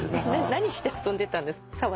何して遊んでたんですか？